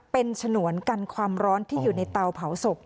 เป็นฉนวนกันความร้อนที่อยู่ในเตาเผาศพ